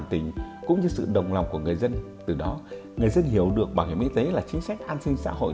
từ đó người dân hiểu được bảo hiểm y tế là chính sách an sinh xã hội